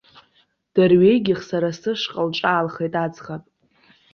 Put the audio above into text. Дырҩегьых сара сышҟа лҿаалхеит аӡӷаб.